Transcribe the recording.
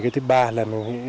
thứ ba là